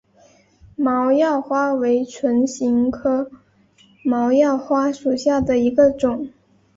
毛药花为唇形科毛药花属下的一个种。